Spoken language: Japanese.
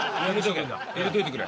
入れておいてくれ。